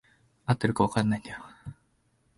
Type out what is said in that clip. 合ってるか分からないんだよ。